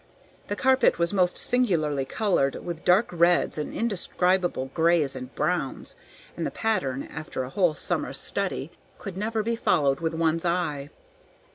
The carpet was most singularly colored with dark reds and indescribable grays and browns, and the pattern, after a whole summer's study, could never be followed with one's eye.